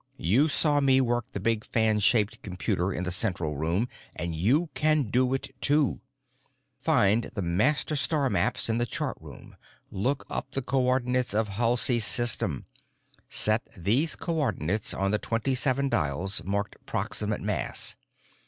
You saw me work the big fan shaped computer in the center room and you can do it too. Find the master star maps in the chart room. Look up the co ordinates of Halsey's System. Set these co ordinates on the twenty seven dials marked Proximate Mass.